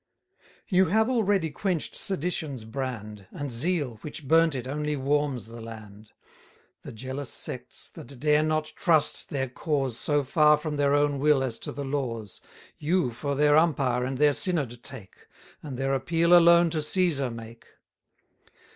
You have already quench'd sedition's brand; And zeal, which burnt it, only warms the land. 80 The jealous sects, that dare not trust their cause So far from their own will as to the laws, You for their umpire and their synod take, And their appeal alone to Cæsar make.